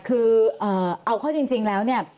คือเอาข้อจริงแล้วเนี่ย